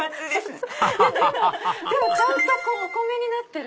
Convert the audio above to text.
ちゃんとお米になってる！